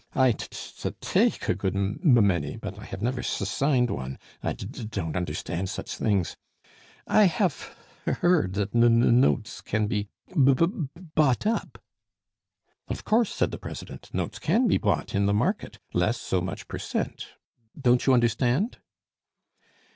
I t t take a good m m many, but I have never s s signed one. I d d don't understand such things. I have h h heard say that n n notes c c can be b b bought up." "Of course," said the president. "Notes can be bought in the market, less so much per cent. Don't you understand?"